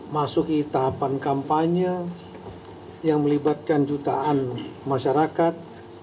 masuk ke tahapan kampanye yang melibatkan jutaan masyarakat